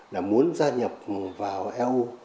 là muốn gia nhập vào eu